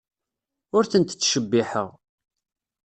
Ur tent-ttcebbiḥeɣ.